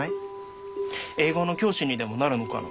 英語の教師にでもなるのかな？